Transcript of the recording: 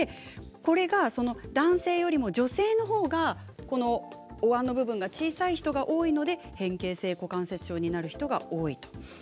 これが男性よりも女性のほうがおわんの部分が小さい人が多いので変形性股関節症になる人が多い。